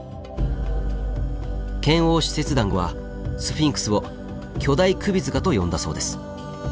遣欧使節団はスフィンクスを巨大首塚と呼んだそうです。